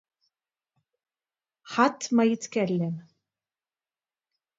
ħadd ma jitkellem!